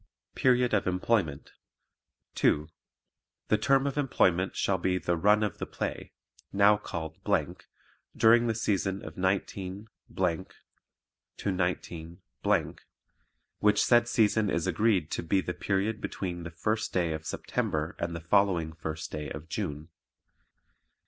Period of Employment 2. The term of employment shall be the Run of the Play now called during the season of 19 19 which said season is agreed to BE THE PERIOD BETWEEN THE FIRST DAY OF SEPTEMBER AND THE FOLLOWING FIRST DAY OF JUNE.